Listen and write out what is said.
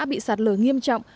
bị sạt lở nghiêm trọng